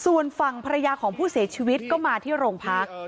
ส่วนฝั่งภรรยาของผู้เสียชีวิตก็มาที่โรงพัก